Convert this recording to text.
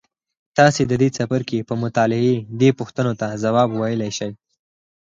تاسې د دې څپرکي په مطالعې دې پوښتنو ته ځواب ویلای شئ.